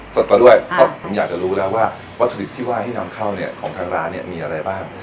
สดมาด้วยเพราะผมอยากจะรู้แล้วว่าวัตถุดิบที่ว่าที่นำเข้าเนี่ยของทางร้านเนี่ยมีอะไรบ้าง